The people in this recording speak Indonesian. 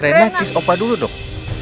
renang kiss opah dulu dong